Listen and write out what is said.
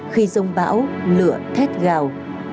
khi giông bão lửa thét gào